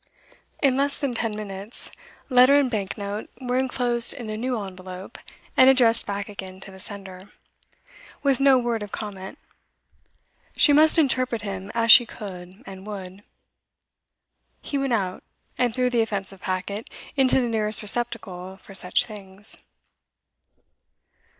In less than ten minutes letter and bank note were enclosed in a new envelope, and addressed back again to the sender. With no word of comment; she must interpret him as she could, and would. He went out, and threw the offensive packet into the nearest receptacle for such things.